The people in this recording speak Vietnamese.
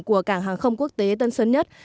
của cảng hàng không quốc tế tân sơn nhất